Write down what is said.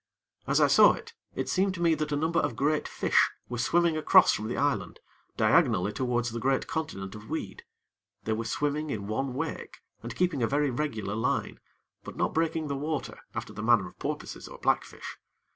As I saw it, it seemed to me that a number of great fish were swimming across from the island, diagonally towards the great continent of weed: they were swimming in one wake, and keeping a very regular line; but not breaking the water after the manner of porpoises or black fish.